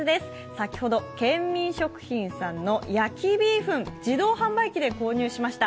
先ほどケンミン食品さんの焼ビーフン、自動販売機で購入しました。